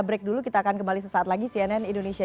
break dulu kita akan kembali sesaat lagi cnn indonesia